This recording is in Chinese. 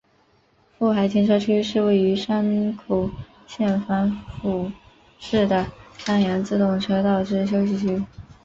富海停车区是位于山口县防府市的山阳自动车道之休息区。